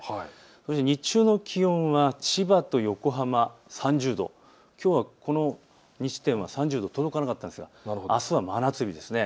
そして日中の気温は千葉と横浜３０度、きょうはこの地点は３０度届かなかったんですがあすは真夏日です。